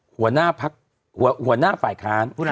หัวหน้าฝ่ายค้าน